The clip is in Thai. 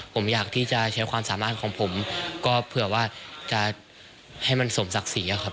ผมอยากที่จะใช้ความสามารถของผมก็เผื่อว่าจะให้มันสมศักดิ์ศรีอะครับ